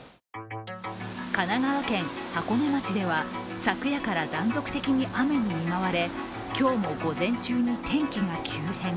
神奈川県箱根町では昨夜から断続的に雨に見舞われ今日も午前中に天気が急変。